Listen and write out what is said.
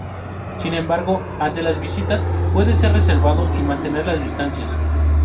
Sin embargo, ante las visitas puede ser reservado y mantener las distancias.